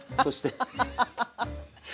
ハハハハッ。